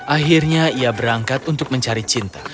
akhirnya ia berangkat untuk mencari cinta